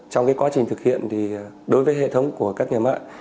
trong quá trình thực hiện thì đối với hệ thống của các nhà mạng